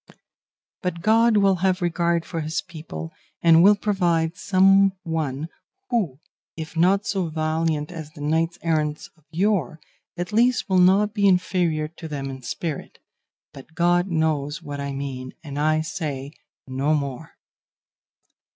But God will have regard for his people, and will provide some one, who, if not so valiant as the knights errant of yore, at least will not be inferior to them in spirit; but God knows what I mean, and I say no more."